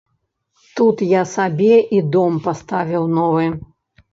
Тут я сабе і дом паставіў новы.